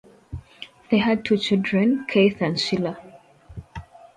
They had two children, Keith and Sheila.